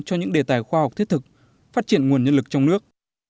cho những đề tài khoa học thiết thực phát triển nguồn nhân lực trong nước